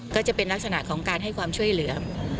ก็จะเป็นลักษณะของการให้ความช่วยเหลือ